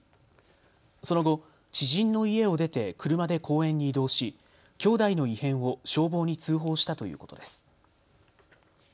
その後、知人の家を出て車で公園に移動しきょうだいの異変を消防に通報したということです。